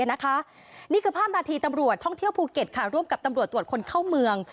นี่คือภาพนาทีตำรวจท่องเที่ยวภูเก็ตร่วมกับตำรวจตรวจคนเข้าเมือง